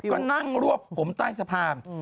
ก็นั่งรวบผมใต้สะพาน